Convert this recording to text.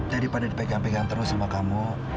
daripada dipegang pegang terus sama kamu